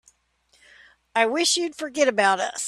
I wish you'd forget about us.